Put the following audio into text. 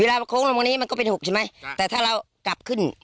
เวลาโค้งเมื่อนงานนี้มันก็เป็นหุกใช่ไหมแต่ถ้าเรากลับขึ้น